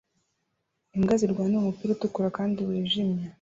Imbwa zirwanira umupira utukura kandi wijimye